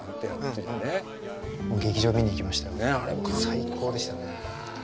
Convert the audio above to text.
最高でしたね。